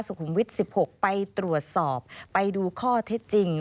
สุขุมวิทย์๑๖ไปตรวจสอบไปดูข้อเท็จจริง